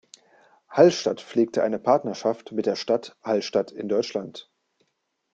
Hallstatt pflegt eine Partnerschaft mit der Stadt Hallstadt in Deutschland.